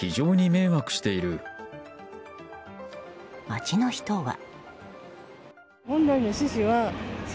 街の人は。